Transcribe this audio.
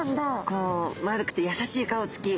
こう丸くて優しい顔つき。